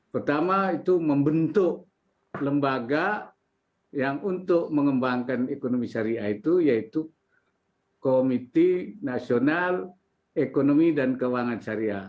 pertama itu membentuk lembaga yang untuk mengembangkan ekonomi syariah itu yaitu komite nasional ekonomi dan keuangan syariah